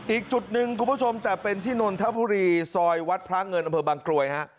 อีกจุดหนึ่งคุณผู้ชมแต่เป็นที่นนทบุรีซอยวัดพระเงินอำเภอบางกรวยฮะ